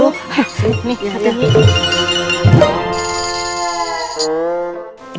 nih lihat ini